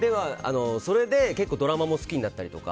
それで結構ドラマも好きになったりとか。